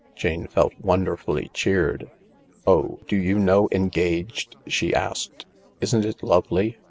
Jane felt wonderfully cheered. " Oh, do you know ' Engaged '?" she asked. " Isn't it lovely